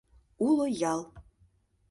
Уло ял.